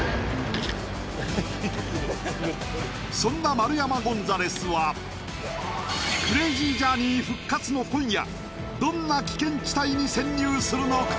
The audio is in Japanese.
そんな丸山ゴンザレスは「クレイジージャーニー」復活の今夜どんな危険地帯に潜入するのか？